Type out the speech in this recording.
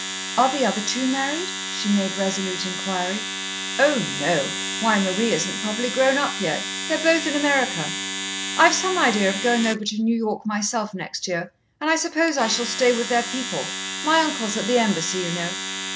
"Are the other two married?" she made resolute inquiry. "Oh, no. Why, Marie isn't properly grown up yet. They are both in America. I've some idea of going over to New York myself next year, and I suppose I shall stay with their people. My uncle's at the Embassy, you know."